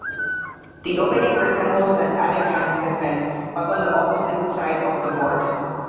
The opening resembles an Alekhine's Defence but on the opposite side of the board.